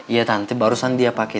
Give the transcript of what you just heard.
iya tante barusan dia pake